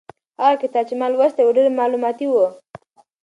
هغه کتاب چې ما لوستلی و ډېر مالوماتي و.